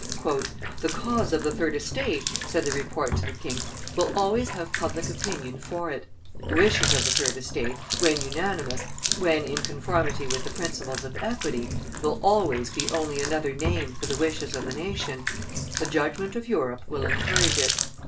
"The cause of the third estate," said the Report to the king, "will always have public opinion for it; the wishes of the third estate, when unanimous, when in conformity with the principles of equity, will always be only another name for the wishes of the nation; the judgment of Europe will encourage it.